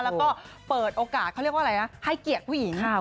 แล้วก็เปิดโอกาสเขาเรียกว่าอะไรนะให้เกียรติผู้หญิง